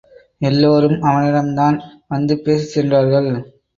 எல்லோரும் அவனிடம்தான் வந்து பேசிச் சென்றார்கள்.